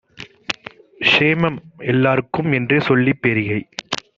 "க்ஷேமம் எல்லார்க்கும்" என்றேசொல்லிப் பேரிகை